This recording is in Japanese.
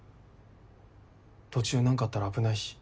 途中何かあったら危ないし。